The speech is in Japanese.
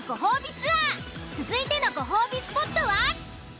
続いてのご褒美スポットは。